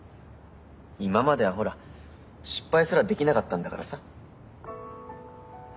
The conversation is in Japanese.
今まではほら失敗すらできなかったんだからさ。